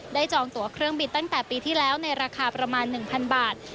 จองตัวเครื่องบินตั้งแต่ปีที่แล้วในราคาประมาณ๑๐๐บาท